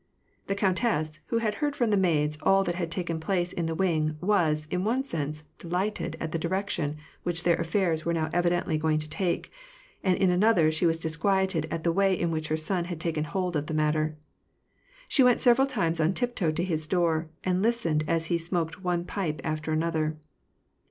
The countess, who had heard from the maids all that had taken place in the wing, was, in one sense, delighted at the direction which their s&airs were now evidently going to take; and in another she was disquieted at the way in which her son had taken hold of the matter. She went several times on tiptoe to his door, and listened as he smoked one pipe after another.